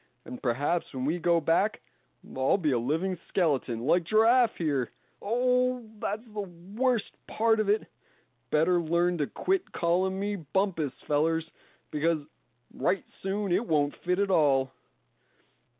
And perhaps, when we go back, I'll be a living skeleton, like Giraffe here. Oh! that's the worst of it. Better learn to quit callin' me Bumpus, fellers, because right soon it won't fit at all."